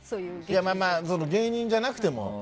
まあまあ、芸人じゃなくても。